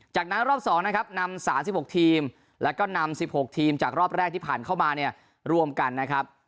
จากนั้นรอบ๒นะครับนำ๓๖ทีมแล้วก็นำ๑๖ทีมจากรอบแรกที่ผ่านมาเนี่ยรวมกันนะครับ